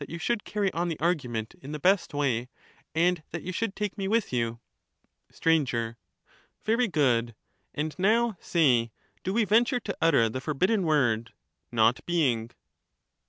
you should carry on the argument in the best way, and that stbamcbs, you should take me with you. THEA«TETua. Sir. Very good ; and now say, do we venture to utter the forbidden word 'not being'?